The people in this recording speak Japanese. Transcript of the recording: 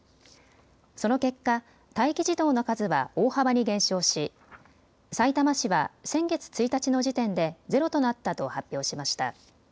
その結果、待機児童の数は大幅に減少しさいたま市は先月１日の時点でゼロとなったと発表しました。